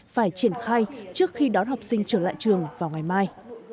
phải triển khai trước khi đón học sinh trở lại trường vào ngày mai